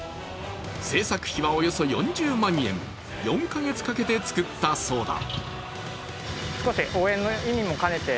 制作費はおよそ４０万円、４カ月かけて作ったそうだ。